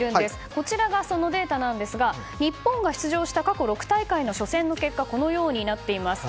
こちらがそのデータですが日本が出場した過去６大会の初戦の結果がこのようになっています。